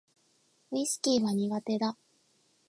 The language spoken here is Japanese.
ウィスキーは苦手だ